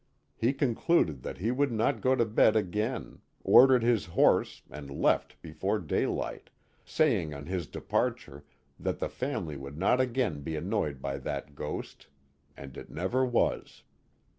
He concluded that he would not go to bed again, ordered his horse and left before daylight, saying on his departure that the family would not again be annoyed by that ghost, and it never was.